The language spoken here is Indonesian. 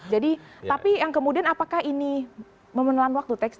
jadi tapi yang kemudian apakah ini memenelan waktu